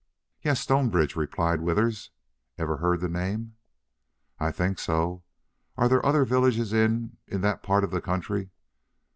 "Yes Stonebridge," replied Withers. "Ever heard the name?" "I think so. Are there other villages in in that part of the country?"